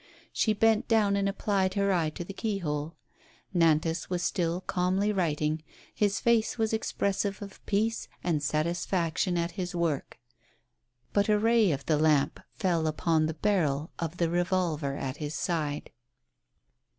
She bent down and applied her eye to the key hole. Nantas was still calmly writing, his face was expressive of peace and satisfaction at his work ; but a ray of the lamp fell upon the barrel of the revolver at his side.